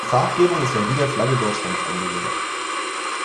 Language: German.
Die Farbgebung ist an die der Flagge Deutschlands angelehnt.